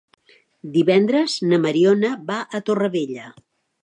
Divendres na Mariona va a Torrevella.